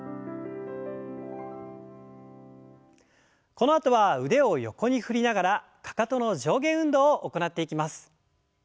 このあとは腕を横に振りながらかかとの上下運動を行っていきます。